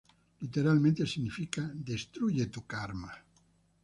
Literalmente significa "destruye tú karma".